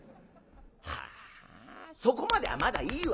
はあそこまではまだいいわよ。